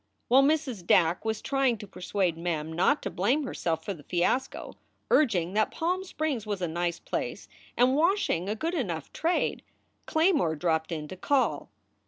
While Mrs. Dack was trying to persuade Mem not to blame herself for the fiasco, urging that Palm Springs was a nice place and washing a good enough trade, Claymore dropped in to call.